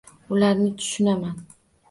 Ularni tushunaman